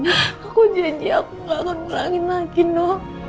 aku janji aku gak akan berangin lagi no